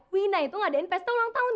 wina itu ngadain pesta ulang tahun